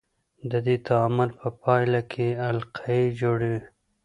د دې تعامل په پایله کې القلي جوړوي.